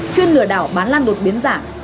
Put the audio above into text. chuyên lừa đảo bán lan